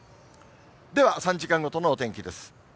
では、３時間ごとのお天気です。